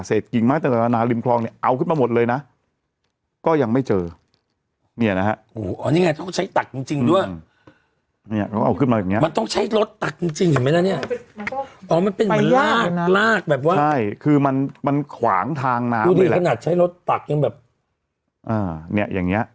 เศษกิ่งมั้ยเตือนธุรกิจจากนาย